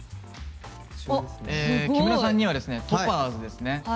木村さんにはトパーズですね。